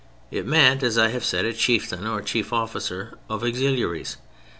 It meant, as I have said, Chieftain or Chief officer of auxiliaries.